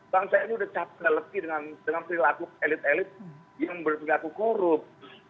bangsa ini sudah capek dengan perilaku elit elit yang berperilaku korup